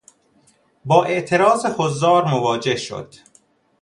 با اعتراض حضار مواجه شد.